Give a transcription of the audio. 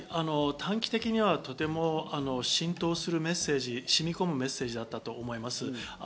短期的にはとても浸透するメッセージ、染み込むメッセージだったと思います。